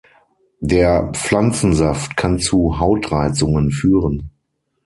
Der Pflanzensaft kann zu Hautreizungen führen.